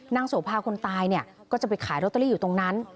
โสภาคนตายเนี่ยก็จะไปขายโรตเตอรี่อยู่ตรงนั้น